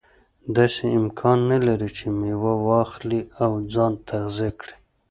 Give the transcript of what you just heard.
داسې امکان نه لري چې میوه واخلي او ځان تغذیه کړي.